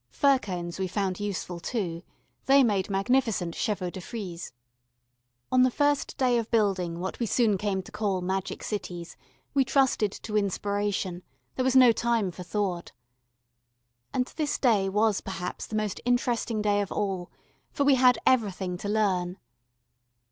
Fir cones we found useful, too; they made magnificent chevaux de frise. [Illustration: LARCH PALM.] [Illustration: THE MAGIC CITY. 152]] On the first day of building what we soon came to call magic cities we trusted to inspiration; there was no time for thought. And this day was perhaps the most interesting day of all for we had everything to learn.